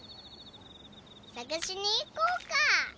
さがしにいこうか？